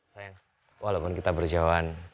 sayang walaupun kita berjauhan